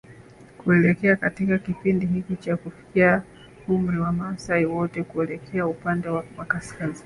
Kuelekea katika kipindi hiki cha kufikia umri Wamaasai wote huelekea upande wa kaskazini